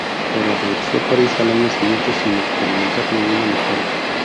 Pero regresó a París al año siguiente sin experimentar ninguna mejora.